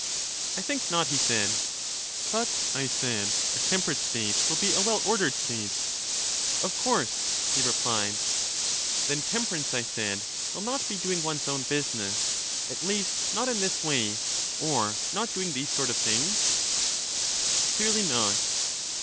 I think not, he said. ^ i Digitized by VjOOQ IC 20 CHARMIDES But, I said, a temperate state will be a well ordered state. Of course, he replied. Then temperance, I said, will not be doing one's own business; at least not in this way, or not doing these sort of things? Clearly not.